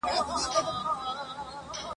په زندان کی یې قسمت سو ور معلوم سو !.